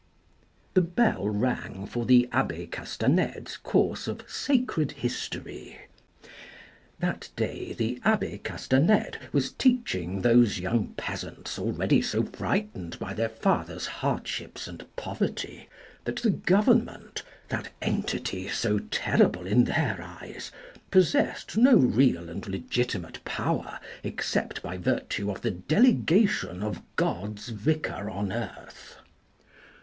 The bell rang for the abbe Castanede's course of sacred history. That day the abbe Castanede was teaching those young peasants already so frightened by their father's hard ships and poverty, that the Government, that entity so terrible in their eyes, possessed no real and legitimate power except by virtue of the delegation of God's vicar on earth.